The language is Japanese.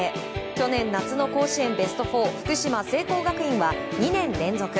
去年夏の甲子園ベスト４福島・聖光学院は２年連続。